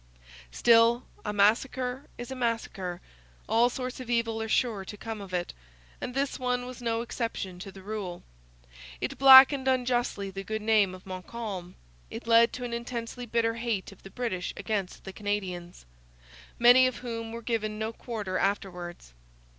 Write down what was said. Still, a massacre is a massacre; all sorts of evil are sure to come of it; and this one was no exception to the rule. It blackened unjustly the good name of Montcalm. It led to an intensely bitter hate of the British against the Canadians, many of whom were given no quarter afterwards.